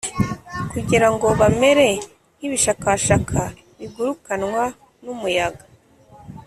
kugira ngo bamere nk’ibishakashaka bigurukanwa n’umuyaga